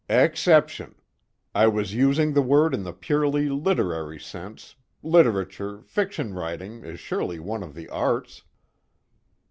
"Exception. I was using the word in the purely literary sense literature, fiction writing, is surely one of the arts."